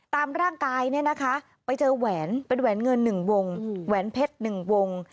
ตามร่างกายเนี่ยนะคะไปเจอแหวนเป็นแหวนเงิน๑วงแหวนเพชร๑วง